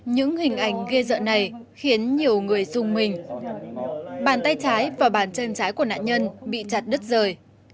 những hình ảnh ghe dợ này khiến nhiều người dùng mình bàn tay trái và bàn chân trái của nạn nhân bị chặt đứt rời